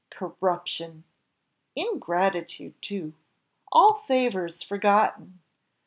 corruption! ingratitude too! all favours forgotten!